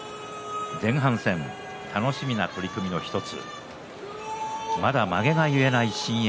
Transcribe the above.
前半戦、楽しみな取組の１つまだ、まげが結えない